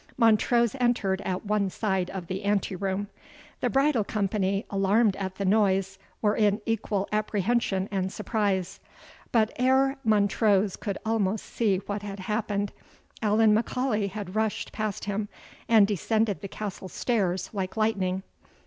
Montrose entered at one side of the anteroom. The bridal company, alarmed at the noise, were in equal apprehension and surprise; but ere Montrose could almost see what had happened, Allan M'Aulay had rushed past him, and descended the castle stairs like lightning.